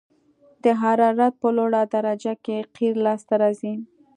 د حرارت په لوړه درجه کې قیر لاسته راځي